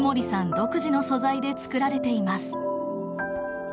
独自の素材で作られています。